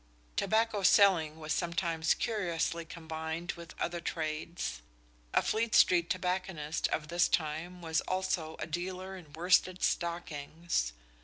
_ Tobacco selling was sometimes curiously combined with other trades. A Fleet Street tobacconist of this time was also a dealer in worsted stockings.